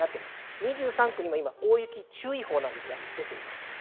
２３区にも今、大雪注意報ですが出ています。